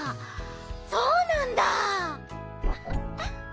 そうなんだ！